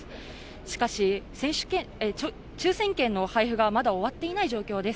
しかし、抽選券の配布がまだ終わっていない状況です。